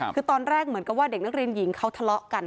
คือตอนแรกเหมือนกับว่าเด็กนักเรียนหญิงเขาทะเลาะกัน